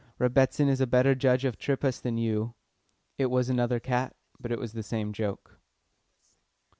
Rebbitzin is a better judge of triphas than you." It was another cat, but it was the same joke.